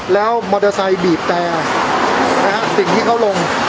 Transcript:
แล้วมอเตอร์ไซค์บีบแต่สิ่งที่เขาลง